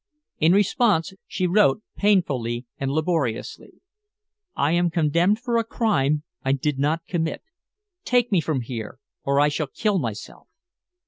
In response, she wrote painfully and laboriously: "I am condemned for a crime I did not commit. Take me from here, or I shall kill myself."